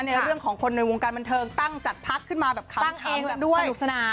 ในเรื่องของคนในวงการบันเทิงตั้งจัดพักขึ้นมาแบบเขาตั้งเองกันด้วยสนุกสนาน